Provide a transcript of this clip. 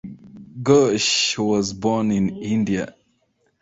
Ghosh was born in India.